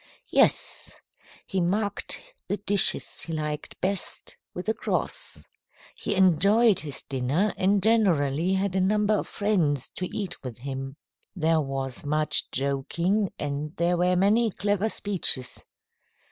"Yes. He marked the dishes he liked best with a cross. He enjoyed his dinner, and generally had a number of friends to eat with him. There was much joking, and there were many clever speeches.